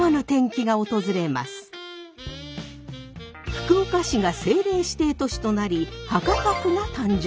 福岡市が政令指定都市となり博多区が誕生。